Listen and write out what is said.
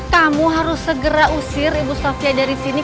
kamu harus segera usir ibu sofia dari sini